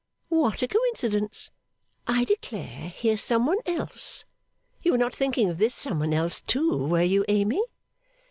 What a coincidence! I declare here's some one else. You were not thinking of this some one else too; were you, Amy?